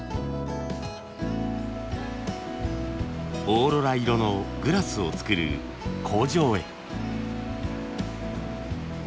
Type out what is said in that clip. オーロラ色のグラスを作る工場へ。